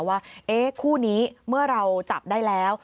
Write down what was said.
ว่าคู่นี้เมื่อเราจับได้แล้ว